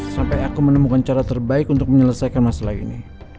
sampai aku menemukan cara terbaik untuk menyelesaikan masalah ini